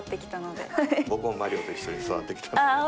僕も『マリオ』と一緒に育ってきたので。